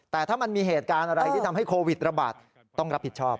แต่ถ้ามันมีเหตุการณ์อะไรที่ทำให้โควิดระบาดต้องรับผิดชอบ